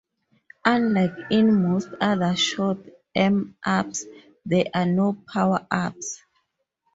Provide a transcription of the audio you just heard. Unlike in most other shoot 'em ups, there are no power-ups.